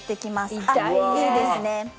あっいいですね。